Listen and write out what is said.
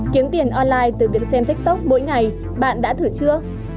kiếm tiền online từ việc xem tiktok mỗi ngày bạn đã thử chưa